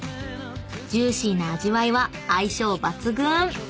［ジューシーな味わいは相性抜群！］